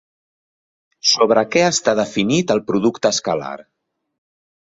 Sobre què està definit el producte escalar?